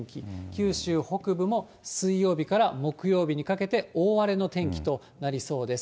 九州北部も水曜日から木曜日にかけて大荒れの天気となりそうです。